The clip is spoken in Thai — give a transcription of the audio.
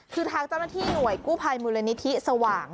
คือทางเจ้าหน้าที่หน่วยกู้ภัยมูลนิธิสว่าง